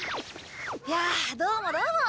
いやどうもどうも。